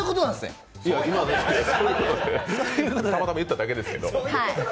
たまたま言っただけですけど。